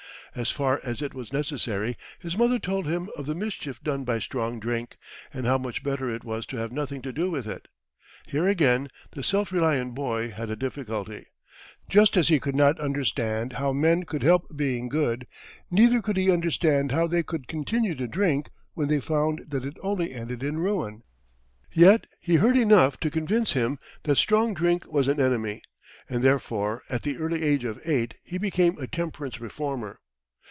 As far as it was necessary, his mother told him of the mischief done by strong drink, and how much better it was to have nothing to do with it. Here again the self reliant boy had a difficulty. Just as he could not understand how men could help being good, neither could he understand how they could continue to drink, when they found that it only ended in ruin. Yet he heard enough to convince him that strong drink was an enemy, and therefore, at the early age of eight, he became a temperance reformer.